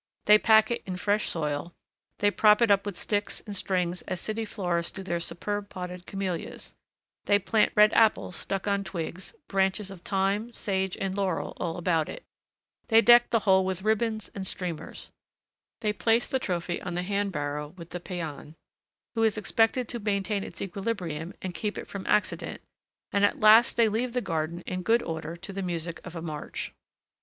They pack it in fresh soil, they prop it up with sticks and strings as city florists do their superb potted camellias; they plant red apples stuck on twigs, branches of thyme, sage, and laurel all about it; they deck the whole with ribbons and streamers; they place the trophy on the hand barrow with the paten, who is expected to maintain its equilibrium and keep it from accident, and at last they leave the garden in good order to the music of a march.